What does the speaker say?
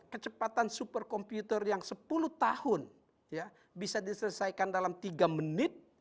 kecepatan super komputer yang sepuluh tahun bisa diselesaikan dalam tiga menit